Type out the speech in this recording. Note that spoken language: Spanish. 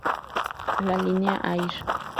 La linea "Air".